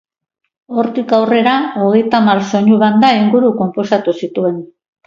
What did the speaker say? Hortik aurrera hogeita hamar soinu-banda inguru konposatu zituen.